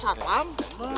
hah oh sardung